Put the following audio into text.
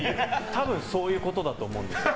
多分そういうことだと思うんですよ。